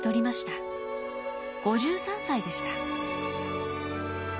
５３歳でした。